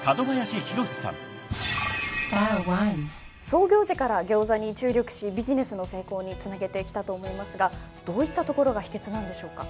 創業時からギョーザに注力しビジネスの成功につなげてきたと思いますがどういったところが秘訣なんでしょうか？